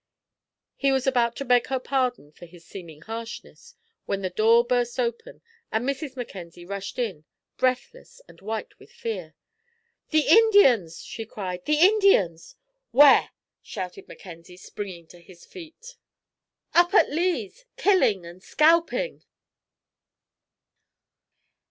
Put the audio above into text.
He was about to beg her pardon for his seeming harshness, when the door burst open and Mrs. Mackenzie rushed in, breathless and white with fear. "The Indians!" she cried. "The Indians!" "Where?" shouted Mackenzie, springing to his feet. "Up at Lee's! Killing and scalping!"